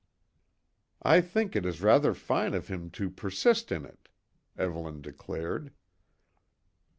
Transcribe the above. "I think it is rather fine of him to persist in it," Evelyn declared.